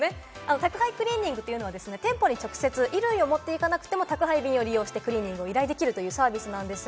宅配クリーニングというのは店舗に直接衣類を持って行かなくても宅配便を利用してクリーニングを依頼できるサービスです。